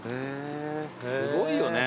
すごいよね。